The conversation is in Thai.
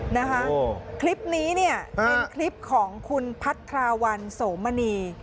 นะคะคลิปนี้เนี่ยเป็นคลิปของคุณพัทราวันโสมณี